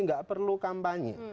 nggak perlu kampanye